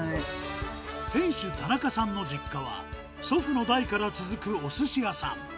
店主、田中さんの実家は、祖父の代から続くおすし屋さん。